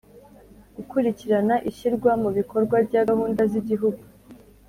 Gukurikirana ishyirwa mu bikorwa rya gahunda z’igihugu